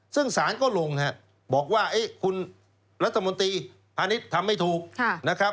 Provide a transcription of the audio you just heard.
ซึ่งศาลก็ลงบอกว่าเอ๊ะคุณรัฐมนตรีพาณิชย์ทำไม่ถูก